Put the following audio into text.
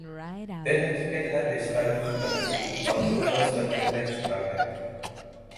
درحقیقت ہر رشتہ ہی مطلبی اور خودغرض بن کر رہ چکا ہے